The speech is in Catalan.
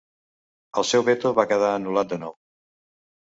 El seu veto va quedar anul·lat de nou.